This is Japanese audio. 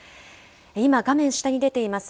今、画面下に出ています